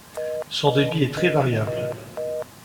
Son débit est très variable.